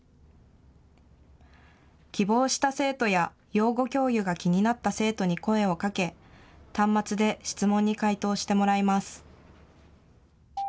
希望した生徒や、養護教諭が気になった生徒に声をかけ、端末で質問に回答してもらいます。